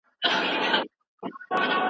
ماشوم د کوټې په غولي کې په خندا پیل وکړ.